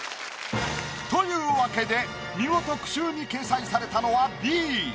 というわけで見事句集に掲載されたのはＢ。